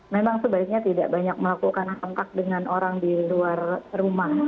memang sebaiknya tidak banyak melakukan kontak dengan orang di luar rumah